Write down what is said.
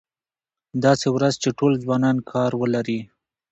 داسې ورځ چې ټول ځوانان کار ولري.